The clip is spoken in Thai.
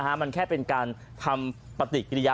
แต่เป็นด้านเป็นแก่ทำปฏิกิริยา